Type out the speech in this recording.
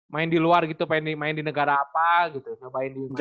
main di luar gitu main di negara apa gitu main di mana